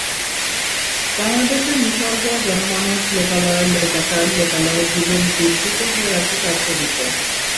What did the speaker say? বাংলাদেশের নিসর্গ, জনমানুষ, লোকালয়, লোকাচার, লোকালয়ের জীবন বিধৃত হয়ে আছে তাঁর ছবিতে।